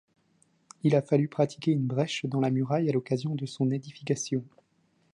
Il a fallu pratiquer une brèche dans la muraille à l'occasion de son édification.